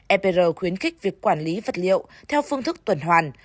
epr khuyến khích việc quản lý vật liệu theo phương thức tuần hoàn